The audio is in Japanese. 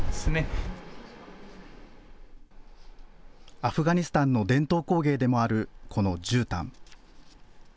アフガニスタンの伝統工芸でもある、このじゅうたん。